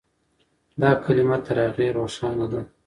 دا کلمه تر هغې روښانه ده.